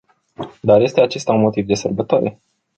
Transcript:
Dar este acesta un motiv de sărbătoare?